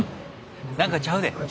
何かちゃうで。